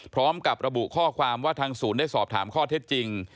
พร้อมกับระบุข้อความว่าทางศูนย์ได้สอบถามข้อเท็จจริง